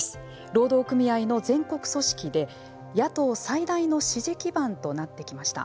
労働組合の全国組織で、野党最大の支持基盤となってきました。